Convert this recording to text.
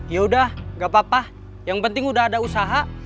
yaudah gak apa apa yang penting udah ada usaha